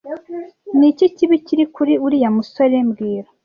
Ni iki kibi kiri kuri uriya musore mbwira